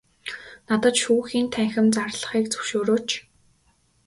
Надад шүүхийн танхим зарлахыг зөвшөөрөөч.